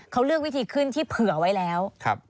เขาเลือกวิธีขึ้นที่เผื่อไว้แล้ว